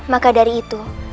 maka dari itu